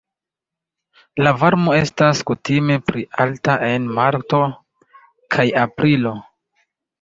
La varmo estas kutime pli alta en marto kaj aprilo.